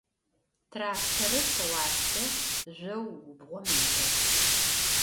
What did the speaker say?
Traktorır tığuase zjou gubğom yitığ.